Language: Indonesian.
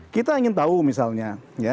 kita ingin tahu misalnya